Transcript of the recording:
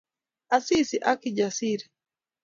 Asisi ak Kijasiri